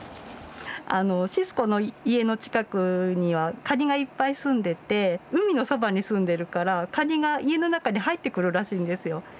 あのシスコの家の近くにはカニがいっぱい住んでて海のそばに住んでるからカニが家の中に入ってくるらしいんですよ。